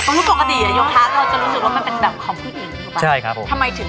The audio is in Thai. ตรงนี้ปกติยังยูคัทเราจะรู้สึกว่ามันเป็นแบบของผู้หญิงถูกปะ